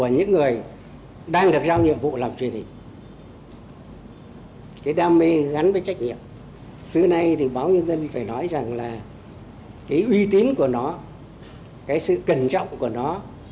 nhân dân phải nói rằng là cái uy tín của nó cái sự cẩn trọng của nó